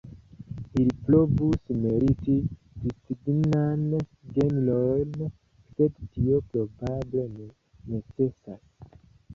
Ili povus meriti distingan genron, sed tio probable ne necesas.